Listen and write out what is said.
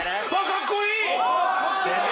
かっこいい！